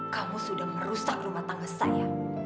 kamu sudah merusak rumah tangga saya